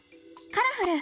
「カラフル！